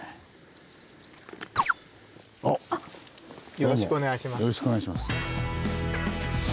よろしくお願いします。